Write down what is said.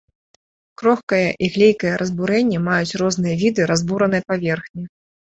Крохкае і глейкае разбурэнне маюць розныя віды разбуранай паверхні.